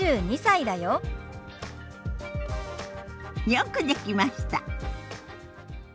よくできました。